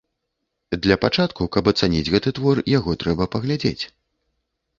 Для пачатку, каб ацаніць гэты твор, яго трэба паглядзець.